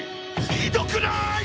ひどくない！？